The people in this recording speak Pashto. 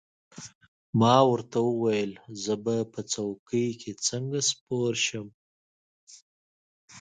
ما ورته وویل: زه به په څوکۍ کې څنګه سپور شم؟